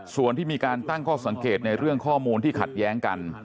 ส่วนที่มีการตั้งข้อสังเกตในเรื่องข้อมูลที่ขัดแย้งกัน